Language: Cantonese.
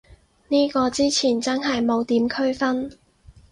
呢個之前真係冇點區分